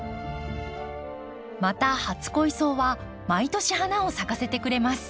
また初恋草は毎年花を咲かせてくれます。